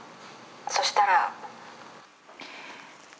そしたら。